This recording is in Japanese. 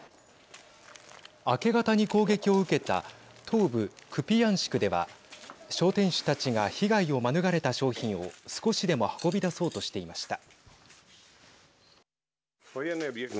明け方に攻撃を受けた東部クピヤンシクでは商店主たちが被害を免れた商品を少しでも運び出そうとしていました。